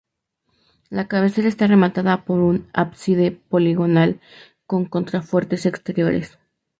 La cabecera está rematada por un ábside poligonal con contrafuertes exteriores.